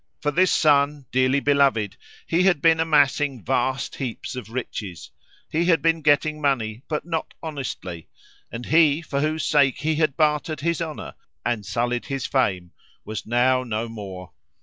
For this son, dearly beloved, he had been amassing vast heaps of riches: he had been getting money, but not honestly; and he for whose sake he had bartered his honour and sullied his fame was now no more.